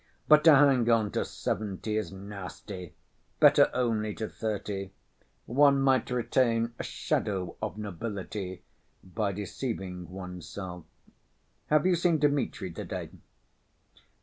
But to hang on to seventy is nasty, better only to thirty; one might retain 'a shadow of nobility' by deceiving oneself. Have you seen Dmitri to‐day?"